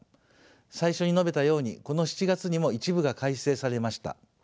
最初に述べたようにこの７月にも一部が改正されました。